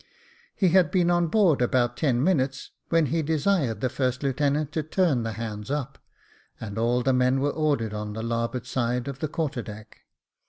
He had been on board about ten minutes, when he desired the first lieutenant to turn the hands up, and all the men were ordered on the larboard side of the quarter deck.